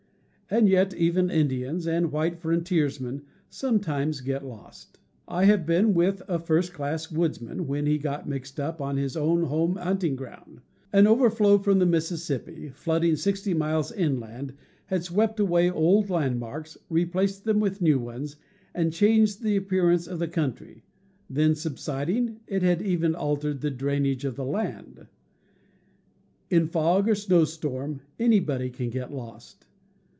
And yet, even Indians and white frontiersmen sometimes get lost. I have been with a first class woodsman when he got mixed up on his own home hunting ground — an overflow from the Mississippi, flooding sixty miles inland, had swept away old landmarks, replaced them with new ones, and changed the appearance of the country; then, subsiding, it had even altered the drain 210 CAMPING AND WOODCRAFT age of the land. In fog or snowstorm anybody can get lost.